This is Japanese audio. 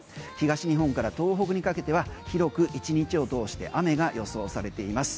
東日本から東北にかけては広く１日を通して雨が予想されています。